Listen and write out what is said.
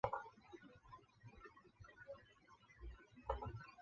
亦曾分布于南极洲。